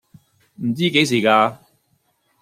唔知幾時㗎